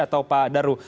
atau pak daru